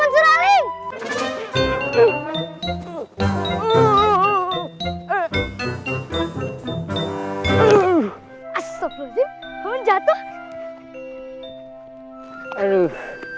astaghfirullahaladzim paman jatuh